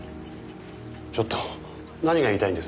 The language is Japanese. ちょっと何が言いたいんです？